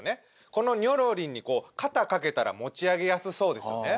このニョロリンに肩掛けたら持ち上げやすそうですよね。